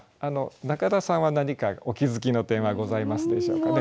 中田さんは何かお気付きの点はございますでしょうかね？